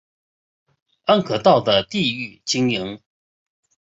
安可道的地域经营。